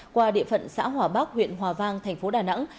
qua địa phận xã hòa bắc huyện hòa vang thành phố đà nẵng